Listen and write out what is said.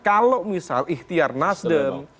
kalau misal ikhtiar nasdem